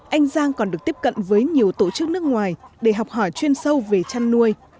anh giang còn được tiếp cận với nhiều tổ chức nước ngoài để học hỏi chuyên sâu về chăn nuôi